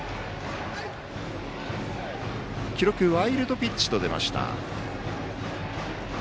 記録、ワイルドピッチと出ました。